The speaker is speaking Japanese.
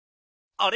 あれ？